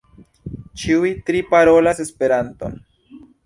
Ĉiuj tri parolas Esperanton.